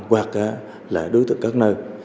hoặc là đối tượng các nơi